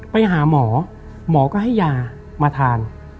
ไปหาหมอหมอก็ให้ยามาทาน